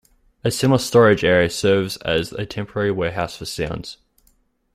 A similar storage area serves as a temporary warehouse for sounds.